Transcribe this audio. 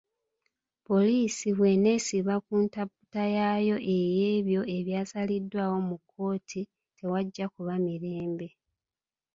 Poliisi bw’eneesiba ku ntaputa yaayo ey’ebyo ebyasaliddwaawo mu kkooti ,tewajja kuba mirembe.